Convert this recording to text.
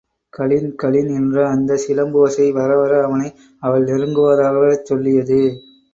கலின் கலின் என்ற அந்தச் சிலம்போசை வரவர அவனை அவள் நெருங்குவதாகச் சொல்லியது.